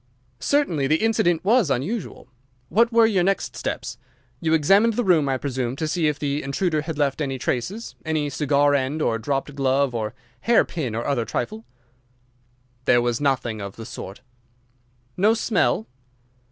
"Certainly the incident was unusual. What were your next steps? You examined the room, I presume, to see if the intruder had left any traces—any cigar end or dropped glove or hairpin or other trifle?" "There was nothing of the sort." "No smell?"